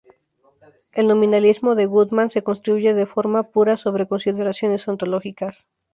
El nominalismo de Goodman se construye de forma pura sobre consideraciones ontológicas.